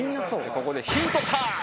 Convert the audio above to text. ここでヒントタイム！